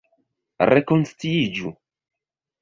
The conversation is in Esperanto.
Rekonsciiĝu!